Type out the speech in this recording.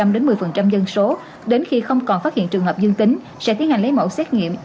năm đến một mươi dân số đến khi không còn phát hiện trường hợp dương tính sẽ tiến hành lấy mẫu xét nghiệm